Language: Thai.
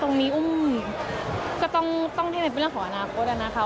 ตรงนี้อุ้มก็ต้องให้เป็นเรื่องของอนาคตแล้วนะคะ